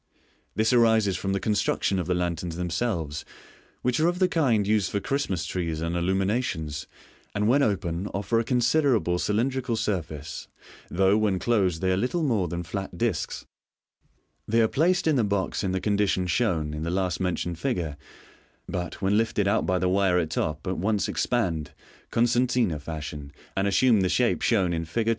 This arises from the construction of the lanterns themselves, which are of the kind used for Christmas trees and illuminations, and when open offer a considerable cylindrical surface (see Fig. 229), though when closed they are little more than flat discs (see Fig. 230). They are placed in the box in the condition shown in the last mentioned figure; but when lifted out by the wire at top, at once expand, concertina fashion, and assume the shape shown in Fig.